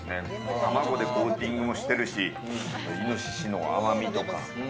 卵でコーティングもしているし、イノシシの甘みとか。